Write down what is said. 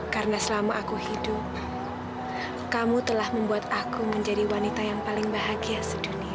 karena selama aku hidup kamu telah membuat aku menjadi wanita yang paling bahagia sedulur